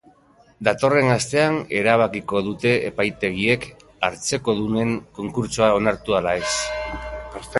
Datorren astean erabakiko dute epaitegiek hartzekodunen konkurtsoa onartu ala ez.